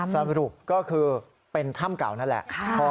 สรุปก็คือเป็นถ้ำเก่านั่นแหละ